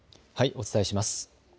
お伝えします。